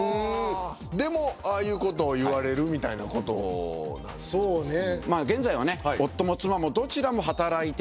でもああいうことを言われるみたいなことなんですね。